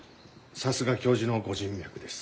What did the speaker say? さすが教授のご人脈です。